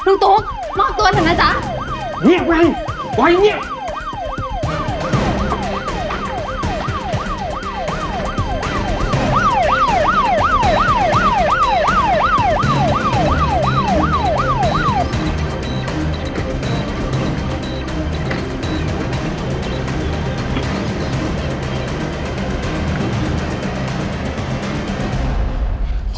ลูกตุ๊กลอกตัวเถอะนะจ๊ะเงียบไว้ปล่อยเงียบ